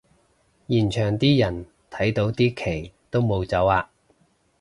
現場啲人睇到啲旗都冇走吖